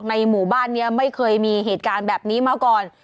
หมู่บ้านนี้ไม่เคยมีเหตุการณ์แบบนี้มาก่อน